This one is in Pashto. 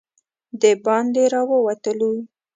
د باندې راووتلو.